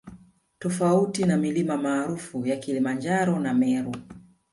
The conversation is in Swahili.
Tofauti na milima maarufu ya Kilimanjaro na Meru